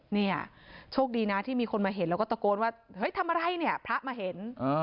เนี่ยโชคดีนะที่มีคนมาเห็นแล้วก็ตะโกนว่าเฮ้ยทำอะไรเนี่ยพระมาเห็น